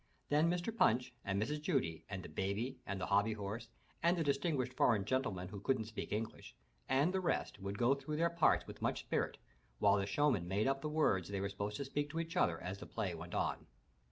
Then Mr. Punch, and Mrs. Judy, and the baby, and the hobby horse, and the distinguished foreign gentlemen who couldn't speak English, and the rest would go through their parts with much spirit, while the show man made up the words they were supposed to speak to each other, as the play went on.